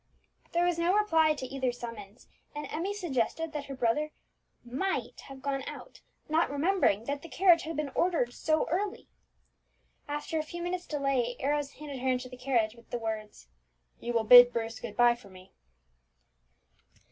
There was no reply to either summons, and Emmie suggested that her brother might have gone out, not remembering that the carriage had been ordered so early. After a few minutes' delay, Arrows handed her into the carriage, with the words, "You will bid Bruce good bye for me."